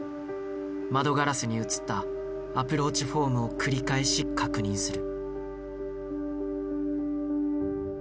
窓ガラスに映ったアプローチフォームを繰り返し確認する。